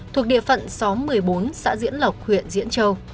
thuộc địa phận xóm một mươi bốn xã diễn lộc huyện diễn châu